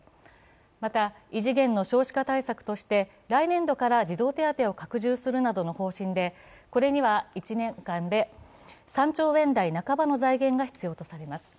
また異次元の少子化対策として来年度から児童手当を拡充するなどの方針で方針で、これには１年間で３兆円台半ばの財源が必要とされます。